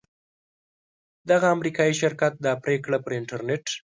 دغه امریکایي شرکت دا پریکړه پر انټرنیټ